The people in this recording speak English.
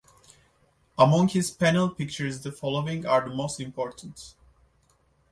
Among his panel pictures the following are the most important.